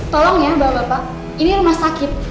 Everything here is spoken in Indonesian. tolong ya bapak bapak ini rumah sakit